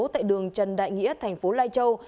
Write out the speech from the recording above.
tại đường trần đại nghĩa tp lai châu